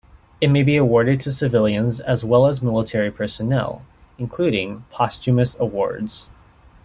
It may be awarded to civilians as well as military personnel, including posthumous awards.